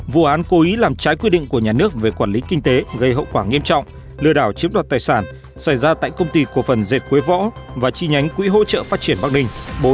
hai vụ án cố ý làm trái quy định của nhà nước về quản lý kinh tế gây hậu quả nghiêm trọng lừa đảo chiếm đoạt tài sản xảy ra tại công ty cổ phần dệt quế võ và chi nhánh quỹ hỗ trợ phát triển bắc ninh